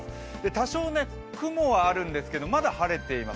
多少、雲はあるんですけどまだ晴れています。